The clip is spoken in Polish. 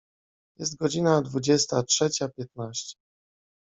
Jest godzina dwudziesta trzecia piętnaście.